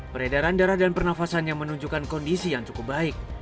peredaran darah dan pernafasannya menunjukkan kondisi yang cukup baik